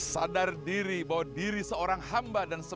sadar diri bahwa diri seorang hamba dan seorang